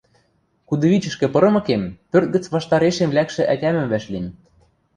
Кудывичӹшкӹ пырымыкем, пӧрт гӹц ваштарешем лӓкшӹ ӓтямӹм вӓшлим.